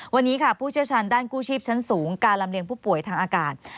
วันนี้ค่ะผู้เชี่ยวชาญด้านกู้ชีพชั้นสูงการลำเลียงผู้ป่วยทางอากาศ